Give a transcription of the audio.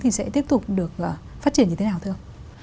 thì sẽ tiếp tục được phát triển như thế nào thưa ông